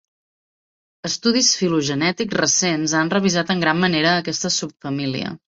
Estudis filogenètics recents han revisat en gran manera aquesta subfamília.